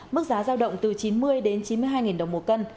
mức giá giao động từ chín mươi chín mươi hai nghìn đồng mỗi cân